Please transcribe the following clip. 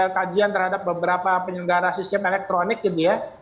kajian terhadap beberapa penyelenggara sistem elektronik gitu ya